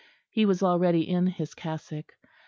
He was already in his cassock.